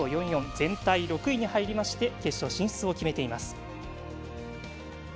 全体６位に入りまして決勝進出を決めています。